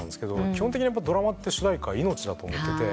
基本的にドラマって主題歌命だと思ってて。